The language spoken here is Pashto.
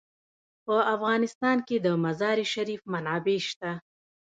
په افغانستان کې د مزارشریف منابع شته.